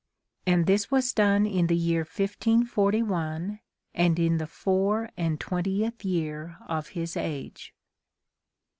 And this was done in the year 1541, and in the foure and twentieth year of his age."